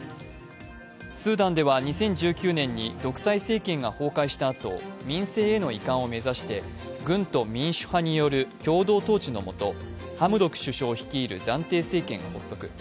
スーダンでは２０１９年に独裁政権が崩壊したあと民政への移管を目指して軍と民主派による共同統治のもとハムドク首相率いる暫定政権を発足。